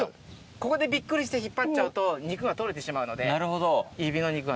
ここでびっくりして引っ張っちゃうと肉が取れてしまうので指の肉が。